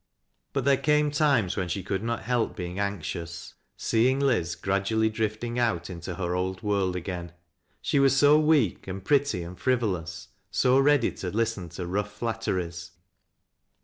But there came times when she could not help being anxious, seeing Liz gradually drifting out into her old world again. She was so weak, and pretty, and frivolous, 80 ready to listen to rough flatteries.